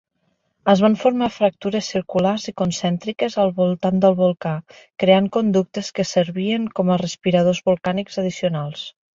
Es van formar fractures circulars i concèntriques al voltant del volcà, creant conductes que servien com a respiradors volcànics addicionals.